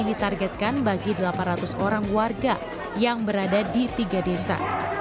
ditargetkan bagi delapan ratus orang warga yang berada di tiga desa